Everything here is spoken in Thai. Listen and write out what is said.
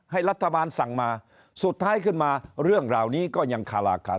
ให้รัฐบาลสั่งมาสุดท้ายขึ้นมาเรื่องเหล่านี้ก็ยังคาราคา